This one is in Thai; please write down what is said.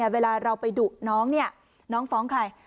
เวลาเราไปดุน้องน้องฟ้องใคร